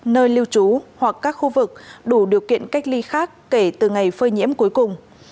nơi lưu trú hoặc các khu vực đủ điều kiện cách ly khác kể từ ngày phơi nhiễm cuối cùng